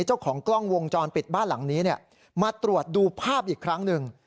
เจ้าของกล้องวงจรปิดบ้านหลังนี้มาตรวจดูภาพอีกครั้งหนึ่ง